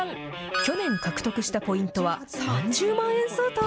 去年獲得したポイントは３０万円相当。